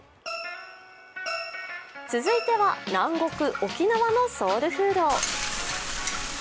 続いては南国・沖縄のソウルフード。